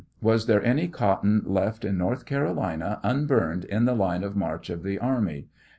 Was there any cotton left in North Carolina un burned in the line of march of the army